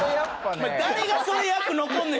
お前誰がそれ役残んねん！